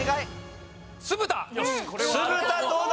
酢豚どうだ？